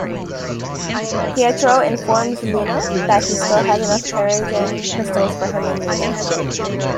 Pietro informs Luna that he still has enough Terrigen Crystals for him and Luna.